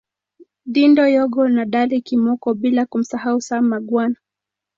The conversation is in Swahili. Dindo Yogo na Dally Kimoko bila kumsahau Sam Mangwana